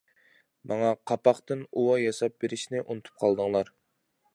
ماڭا قاپاقتىن ئۇۋا ياساپ بېرىشنى ئۇنتۇپ قالدىڭلار.